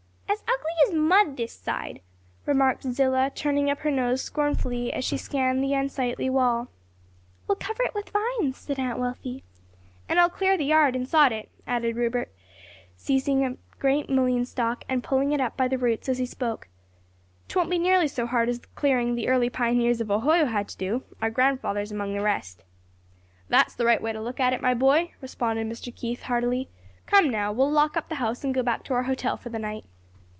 "As ugly as mud this side," remarked Zillah, turning up her nose scornfully as she scanned the unsightly wall. "We'll cover it with vines," said Aunt Wealthy. "And I'll clear the yard and sod it," added Rupert, seizing a great mullein stalk and pulling it up by the roots as he spoke. "Twon't be nearly so hard as the clearing the early pioneers of Ohio had to do, our grandfathers among the rest." "That's the right way to look at it, my boy," responded Mr. Keith, heartily. "Come now, we'll lock up the house and go back to our hotel for the night."